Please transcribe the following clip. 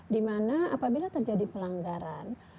dimana apabila terjadi pelanggaran